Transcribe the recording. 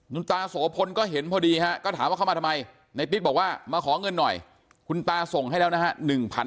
คุณตาโสพลก็เห็นพอดีฮะก็ถามว่าเข้ามาทำไมในติ๊ดบอกว่ามาขอเงินหน่อยคุณตาส่งให้แล้วนะฮะ